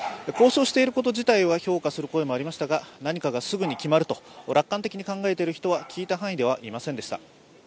交渉していること自体は評価する声もありましたが何かがすぐに決まると楽観的に考えている人は聞いた範囲では、いませんでした。